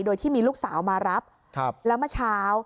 โดยที่มีลูกสาวมารับแล้วเมื่อเช้า